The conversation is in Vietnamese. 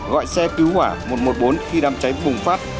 gọi xe cứu hỏa một trăm một mươi bốn khi đám cháy bùng phát